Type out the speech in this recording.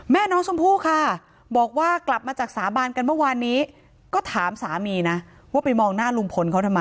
แม่น้องชมพู่ค่ะบอกว่ากลับมาจากสาบานกันเมื่อวานนี้ก็ถามสามีนะว่าไปมองหน้าลุงพลเขาทำไม